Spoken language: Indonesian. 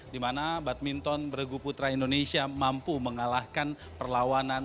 di mana badminton bergu putra indonesia mampu mengalahkan perlawanan